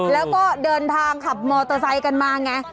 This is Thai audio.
แล้วก็เดินทางขับมอเตอร์ไซค์กันมาไง